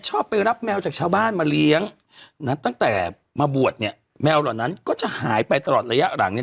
ชอบไปรับแมวจากชาวบ้านมาเลี้ยงนะตั้งแต่มาบวชเนี่ยแมวเหล่านั้นก็จะหายไปตลอดระยะหลังเนี่ย